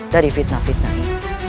dari fitnah fitnah ini